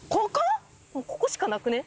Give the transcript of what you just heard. ここしかなくね？